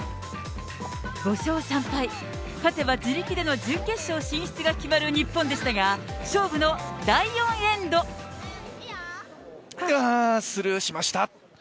５勝３敗、勝てば自力での準決勝進出が決まる日本でしたが、勝負の第４エンあー、スルーしました。